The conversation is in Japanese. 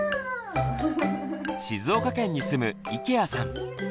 静岡県に住む池谷さん。